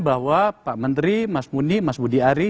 bahwa pak menteri mas muni mas budiari